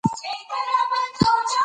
پرېکړې باید دوام ولري